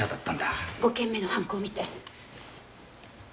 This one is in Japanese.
５件目の犯行を見て。